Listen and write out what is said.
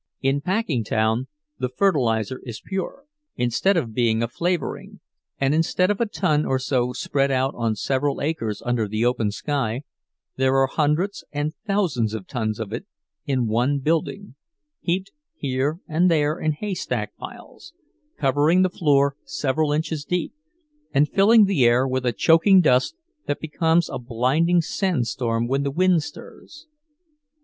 In Packingtown the fertilizer is pure, instead of being a flavoring, and instead of a ton or so spread out on several acres under the open sky, there are hundreds and thousands of tons of it in one building, heaped here and there in haystack piles, covering the floor several inches deep, and filling the air with a choking dust that becomes a blinding sandstorm when the wind stirs.